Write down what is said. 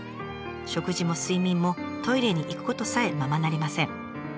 食事も睡眠もトイレに行くことさえままなりません。